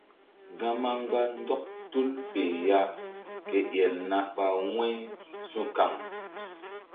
Gama mgba ndɔk tul fe ya ke el na ɓa wu̧y su̧kaŋ.